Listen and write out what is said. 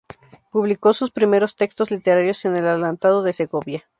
Publicó sus primeros textos literarios en "El Adelantado de Segovia".